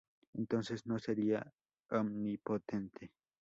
Entonces no sería omnipotente.